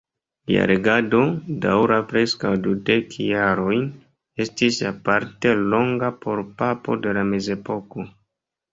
Lia regado, daŭra preskaŭ dudek jarojn, estis aparte longa por papo de la Mezepoko.